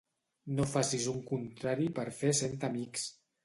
No facis un contrari per fer cent amics.